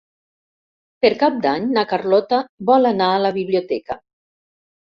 Per Cap d'Any na Carlota vol anar a la biblioteca.